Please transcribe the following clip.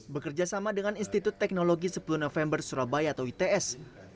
bekerja sama dengan institut teknologi sepuluh november surabaya atau its